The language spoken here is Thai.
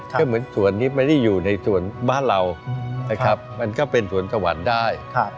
ก็เหมือนสวนที่ไม่ได้อยู่ในส่วนบ้านเรานะครับมันก็เป็นสวนสวรรค์ได้